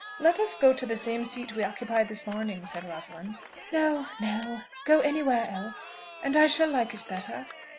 "Let us go to the same seat we occupied this morning," said Rosalind. "No, no; go anywhere else, and I shall like it better.